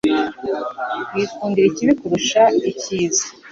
Wikundira ikibi kurusha icyiza